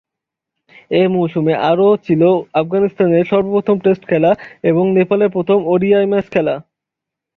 এ মৌসুমে আরো ছিল আফগানিস্তানের সর্বপ্রথম টেস্ট খেলা এবং নেপালের প্রথম ওডিআই ম্যাচ খেলা।